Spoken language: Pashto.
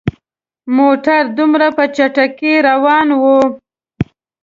موټر دومره په چټکۍ روان وو.